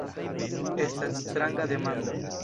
Estas stranga demando.